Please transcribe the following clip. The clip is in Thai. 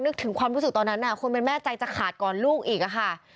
ถึงความรู้สึกตอนนั้นคนเป็นแม่ใจจะขาดก่อนลูกอีกค่ะ